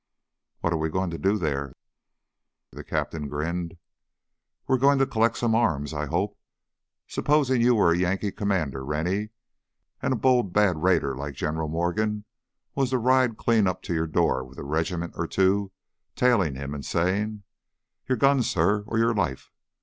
"What are we going to do there?" The captain grinned. "We're going to collect some arms, I hope. Supposing you were a Yankee commander, Rennie, and a bold, bad raider like General Morgan was to ride clean up to your door with a regiment or two tailing him and say: 'Your guns, suh, or your life!'